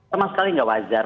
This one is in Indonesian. sama sekali tidak wajar